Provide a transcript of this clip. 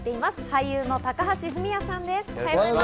俳優の高橋文哉さんです。